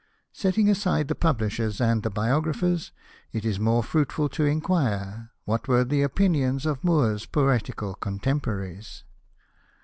Setting aside the publishers and the biographers, it is more fruitful to inquire what were the opinions of Moore's poetical contemporaries.